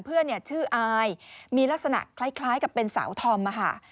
เพื่อนชื่ออายมีลักษณะคล้ายกับเป็นสาวธอมค่ะ